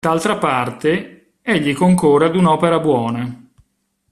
D'altra parte, egli concorre ad un'opera buona.